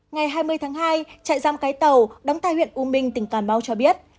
ngày hai mươi tháng hai chạy giam cái tàu đóng tay huyện u minh tỉnh càn mau cho biết